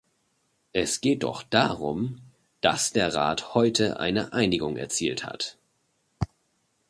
Es geht doch darum, dass der Rat heute eine Einigung erzielt hat.